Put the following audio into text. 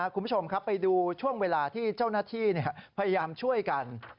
คุณผู้ชมครับไปดูช่วงเวลาที่เจ้าหน้าที่พยายามช่วยกัน